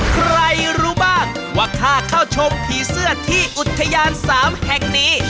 ใครรู้บ้างว่าค่าเข้าชมผีเสื้อที่อุทยาน๓แห่งนี้